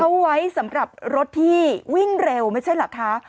เขาไว้สำหรับรถที่วิ่งเร็วไม่ใช่เหรอคะ